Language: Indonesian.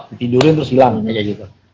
ditidurin terus hilangin